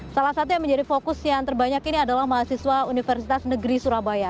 salah satu yang menjadi fokus yang terbanyak ini adalah mahasiswa universitas negeri surabaya